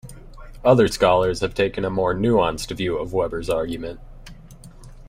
Other scholars have taken a more nuanced view of Weber's argument.